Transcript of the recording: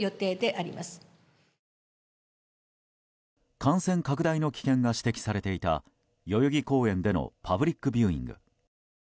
感染拡大の危険が指摘されていた代々木公園でのパブリックビューイング。